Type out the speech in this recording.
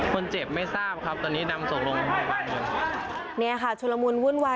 คุณเจ็บไม่ทราบครับตอนนี้นำส่งลงเนี่ยค่ะชุลมูลวุ่นวา